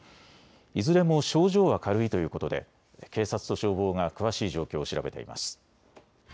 いずれも症状は軽いということで警察と消防が詳しい状況を調べています。